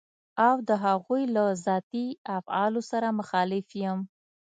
او د هغوی له ذاتي افعالو سره مخالف يم.